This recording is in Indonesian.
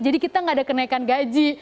jadi kita nggak ada kenaikan gaji